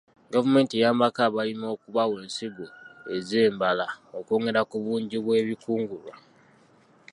Gavumenti eyambako abalimi okubawa ensigo ez'embala okwongera ku bungi bw'ebikungulwa.